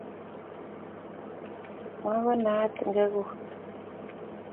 makonaat ngekut